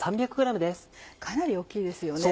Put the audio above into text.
かなり大きいですよね。